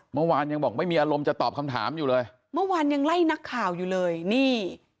เมื่อวานยังบอกไม่มีอารมณ์จะตอบคำถามอยู่เลยเมื่อวานยังไล่นักข่าวอยู่เลยนี่